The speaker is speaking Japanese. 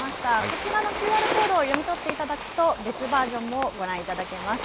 こちらのＱＲコードを読み取っていただくと、別バージョンもご覧いただけます。